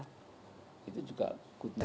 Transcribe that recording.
itu juga kuda